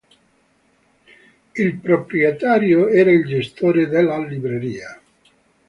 Il proprietario era il gestore della libreria.